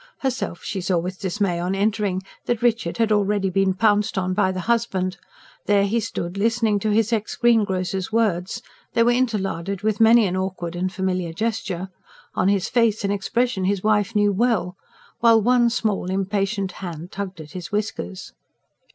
Herself she saw with dismay, on entering, that Richard had already been pounced on by the husband: there he stood, listening to his ex greengrocer's words they were interlarded with many an awkward and familiar gesture on his face an expression his wife knew well, while one small, impatient hand tugged at his whiskers.